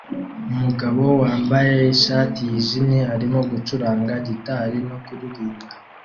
Umugabo wambaye ishati yijimye arimo gucuranga gitari no kuririmba